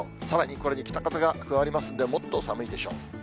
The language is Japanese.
さらにこれに北風が加わりますんで、もっと寒いでしょう。